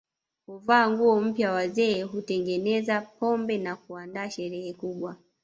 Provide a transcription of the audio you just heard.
Huvaa nguo mpya wazee hutengeneza pombe na kuandaa sherehe kubwa